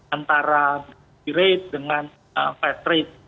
antara bi rate dengan fed rate